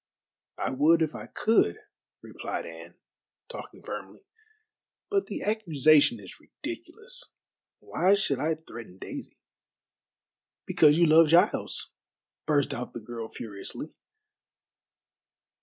"I would if I could," replied Anne, talking firmly, "but the accusation is ridiculous. Why should I threaten Daisy?" "Because you love Giles," burst out the girl furiously.